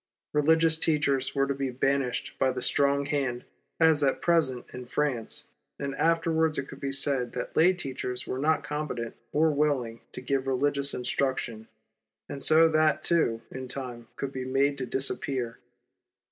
Eeligious teachers were to be banished by the strong hand, as at present in France, and afterwards it could be said that lay teachers were not competent or willing to give religious instruction, and so that, too, in time, could be made to disappear.